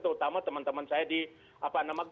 terutama teman teman saya di apa namanya